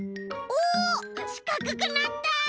おしかくくなった！